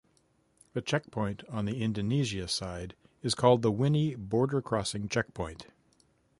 The checkpoint on the Indonesia side is called the Wini border crossing checkpoint.